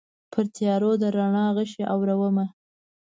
پرتیارو د رڼا غشي اورومه